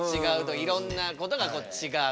いろんなことがちがう。